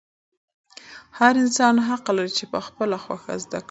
هر انسان حق لري چې په خپله خوښه زده کړه وکړي.